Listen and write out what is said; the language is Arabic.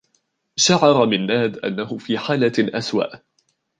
شعر منّاد أنّه في حالة أسوء.